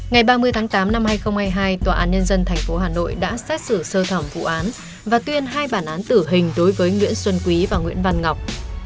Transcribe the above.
ngày ba mươi tháng tám năm hai nghìn hai mươi hai tòa án nhân dân tp hà nội đã xét xử sơ thẩm vụ án và tuyên hai bản án tử hình đối với nguyễn xuân quý và nguyễn văn ngọc